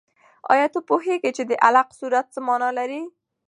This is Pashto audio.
آیا ته پوهېږې چې د علق سورت څه مانا لري؟